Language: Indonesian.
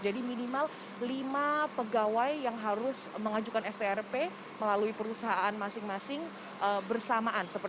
jadi minimal lima pegawai yang harus mengajukan strp melalui perusahaan masing masing bersamaan